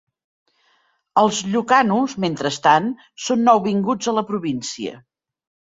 Els Ilocanos mentrestant són nouvinguts a la província.